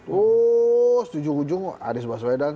tuh setuju ujung ada subaswedan